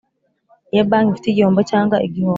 Iyo banki ifite igihombo cyangwa igihombo